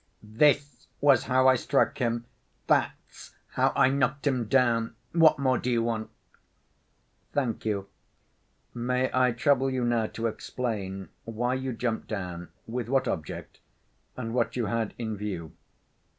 "This was how I struck him! That's how I knocked him down! What more do you want?" "Thank you. May I trouble you now to explain why you jumped down, with what object, and what you had in view?"